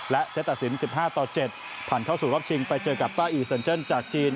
และเซตตัดสิน๑๕ต่อ๗ผ่านเข้าสู่รอบชิงไปเจอกับป้าอีสันเจิ้นจากจีน